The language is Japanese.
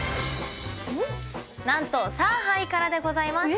何と上海からでございます。